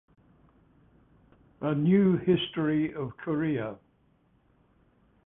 A New History of Korea.